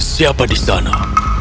siapa di sana